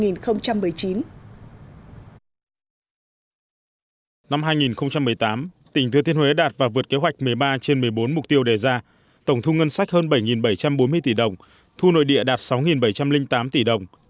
năm hai nghìn một mươi tám tỉnh thừa thiên huế đạt và vượt kế hoạch một mươi ba trên một mươi bốn mục tiêu đề ra tổng thu ngân sách hơn bảy bảy trăm bốn mươi tỷ đồng thu nội địa đạt sáu bảy trăm linh tám tỷ đồng